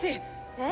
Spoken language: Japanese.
えっ？